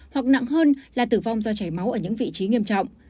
hoặc nặng hơn là tử vong do chảy máu ở những vị trí nghiêm trọng